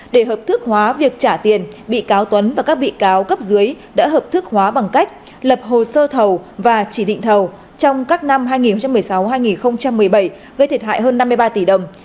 để hợp thức hóa việc trả tiền bị cáo tuấn và các bị cáo cấp dưới đã hợp thức hóa bằng cách lập hồ sơ thầu và chỉ định thầu trong các năm hai nghìn một mươi sáu hai nghìn một mươi bảy gây thiệt hại hơn năm mươi ba tỷ đồng